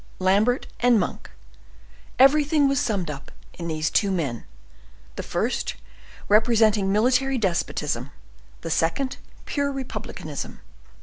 Lambert and Monk—everything was summed up in these two men; the first representing military despotism, the second pure republicanism.